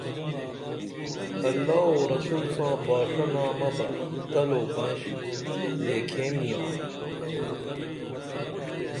اللہ او رسول ساں باݜہ نامہ بہ تل او بنش لیکھین ینا